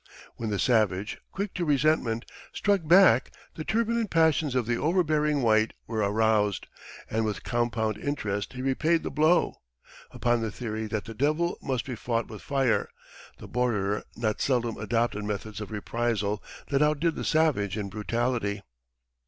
When the savage, quick to resentment, struck back, the turbulent passions of the overbearing white were aroused, and with compound interest he repaid the blow. Upon the theory that the devil must be fought with fire, the borderer not seldom adopted methods of reprisal that outdid the savage in brutality.